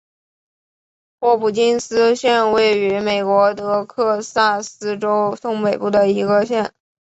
霍普金斯县位美国德克萨斯州东北部的一个县。